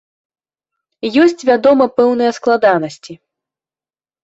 Ёсць вядома пэўныя складанасці.